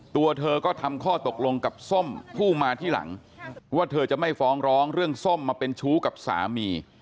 ตัวเธอก็ทำข้อตกลงกับส้มผู้มาที่หลังว่าเธอจะไม่ฟ้องร้องเรื่องส้มมาเป็นชู้กับสามี